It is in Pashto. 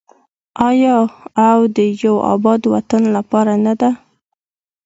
آیا او د یو اباد وطن لپاره نه ده؟